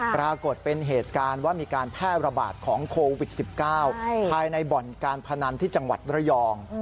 ปรากฏเป็นเหตุการณ์ว่ามีการแพร่ระบาดของโควิด๑๙ภายในบ่อนการพนันที่จังหวัดระยอง